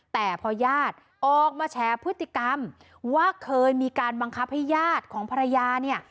แต่พอญาติออกมาแชร์พฤติกรรมว่าเคยมีการบังคับให้ญาติของภรรยาเนี่ย